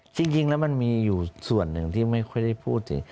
จริงแล้วมันมีอยู่ส่วนหนึ่งที่ไม่ค่อยได้พูดถึง